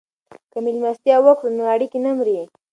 که مېلمستیا وکړو نو اړیکې نه مري.